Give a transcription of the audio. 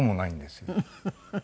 フフフフ！